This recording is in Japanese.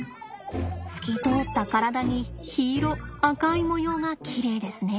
透き通った体に緋色赤い模様がきれいですね。